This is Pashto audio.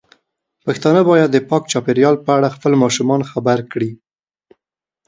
پښتانه بايد د پاک چاپیریال په اړه خپل ماشومان خبر کړي.